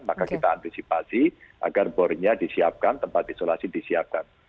maka kita antisipasi agar bornya disiapkan tempat isolasi disiapkan